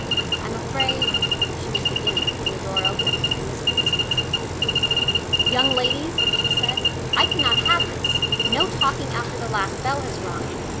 "I'm afraid," she was beginning, when the door opened, and Miss Broom's face appeared. "Young ladies," she said, "I cannot have this. No talking after the last bell has rung.